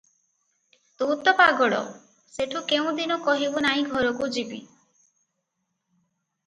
ତୁ ତ ପାଗଳ, ସେଠୁ କେଉଁ ଦିନ କହିବୁ ନାଇଁ ଘରକୁ ଯିବି ।"